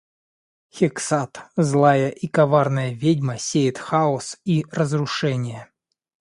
Хексат, злая и коварная ведьма, сеет хаос и разрушение.